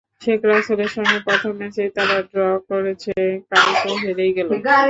শেখ রাসেলের সঙ্গে প্রথম ম্যাচে তারা ড্র করেছে, কাল তো হেরেই গেল।